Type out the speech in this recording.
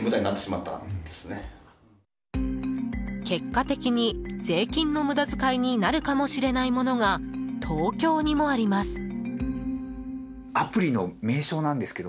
結果的に、税金の無駄遣いになるかもしれないものが東京にもあります。